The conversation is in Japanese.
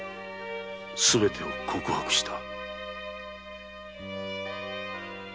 すべてを告白した？